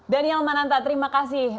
daniel mananta terima kasih